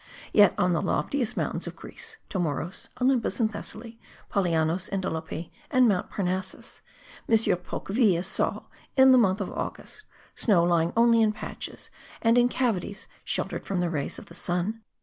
Yet on the loftiest mountains of Greece, Tomoros, Olympus in Thessaly, Polyanos in Dolope and Mount Parnassus, M. Pouqueville saw, in the month of August, snow lying only in patches, and in cavities sheltered from the rays of the sun.)